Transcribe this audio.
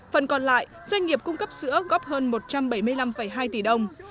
phần còn lại doanh nghiệp cung cấp sữa góp hơn một trăm bảy mươi năm hai tỷ đồng